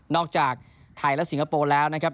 จากไทยและสิงคโปร์แล้วนะครับ